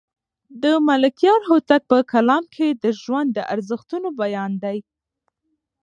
د ملکیار هوتک په کلام کې د ژوند د ارزښتونو بیان دی.